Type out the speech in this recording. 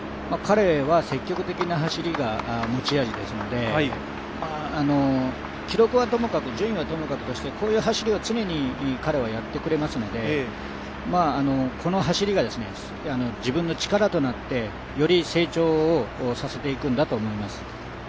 彼は積極的な走りが持ち味ですので、記録や順位はともかくとして、こういう走りを常に彼はやってくれますのでこの走りが自分の力となって、より成長させていくんだと思います。